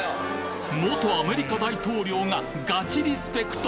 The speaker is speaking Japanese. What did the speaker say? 元アメリカ大統領がガチリスペクト！